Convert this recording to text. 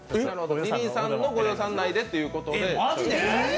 リリーさんのご予算内でということで。